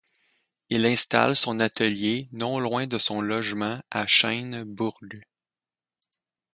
Il installe son atelier non loin de son logement à Chêne-Bourg.